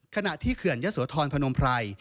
ขณะที่เขื่อนยะโสธรพนมไพร